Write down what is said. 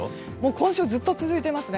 今週ずっと続いていますね。